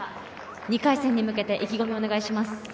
２回戦へ向けて意気込みをお願いします。